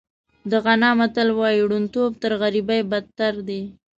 د غانا متل وایي ړوندتوب تر غریبۍ بدتر دی.